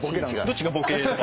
・どっちがボケ？